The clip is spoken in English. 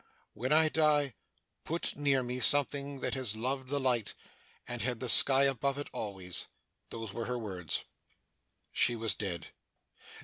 'When I die, put near me something that has loved the light, and had the sky above it always.' Those were her words. She was dead.